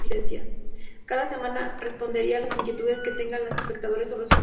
Cada semana responderán a las inquietudes que tengan los espectadores sobre sus mascotas.